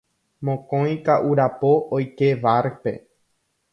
Mokõi ka'urapo oike bar-pe.